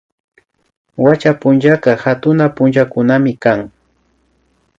Wacha punllaka hatuna punllakunamikan